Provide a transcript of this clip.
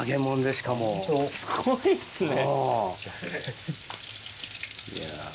すごいっすね。